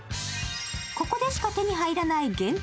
ここでしか手に入らない限定